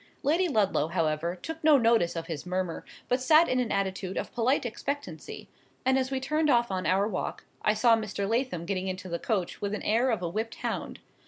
Lady Ludlow, however, took no notice of his murmur, but sat in an attitude of polite expectancy; and as we turned off on our walk, I saw Mr. Lathom getting into the coach with the air of a whipped hound.